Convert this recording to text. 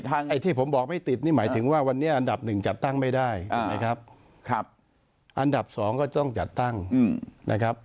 ไอ้ที่ผมบอกไม่ติดนี่หมายถึงว่าวันนี้อันดับหนึ่งจัดตั้งไม่ได้นะครับอันดับ๒ก็ต้องจัดตั้งนะครับ